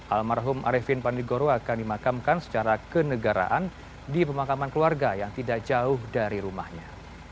almarhum arifin pandigoro akan dimakamkan secara kenegaraan di pemakaman keluarga yang tidak jauh dari rumahnya